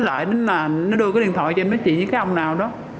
rồi nó mới lại nó đưa cái điện thoại cho em nói chuyện với cái ông nào đó